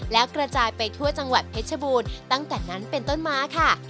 แล้วกระจายไปทั่วจังหวัดเพชรบูรณ์ตั้งแต่นั้นเป็นต้นมาค่ะ